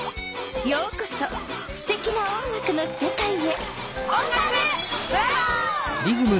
ようこそすてきな音楽のせかいへ！